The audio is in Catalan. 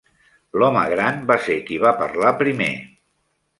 L'home gran va ser qui va parlar primer.